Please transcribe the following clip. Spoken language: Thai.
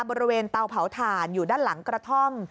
เตาเผาถ่านอยู่ด้านหลังกระท่อม